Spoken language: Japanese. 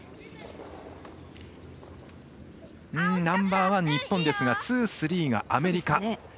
ナンバーワン、日本ですがツー、スリーがアメリカ。